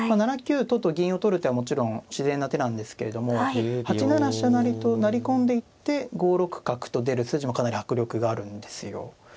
７九とと銀を取る手はもちろん自然な手なんですけれども８七飛車成と成り込んでいって５六角と出る筋もかなり迫力があるんですよ。